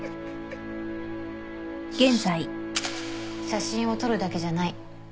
写真を撮るだけじゃない。